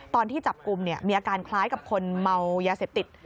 ตอนที่จับกลุ่มมีอาการคล้ายกับคนเมายาเสพติด